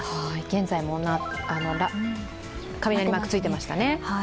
現在も雷マーク、ついていましたね。